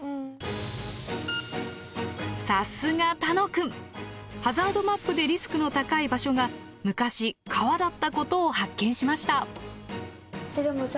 さすが楽くんハザードマップでリスクの高い場所が昔川だったことを発見しました。